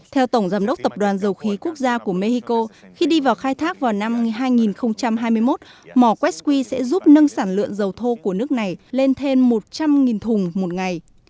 theo tổng giám đốc tập đoàn dầu khí quốc gia của mexico khi đi vào khai thác vào năm hai nghìn hai mươi một mỏ quesui sẽ giúp nâng sản lượng dầu thô của nước này lên thêm một trăm linh thùng một ngày